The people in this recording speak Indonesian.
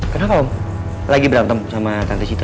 kayaknya ada yang aneh sama kejadian di hotel tadi